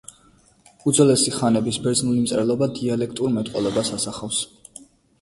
უძველესი ხანების ბერძნული მწერლობა დიალექტურ მეტყველებას ასახავს.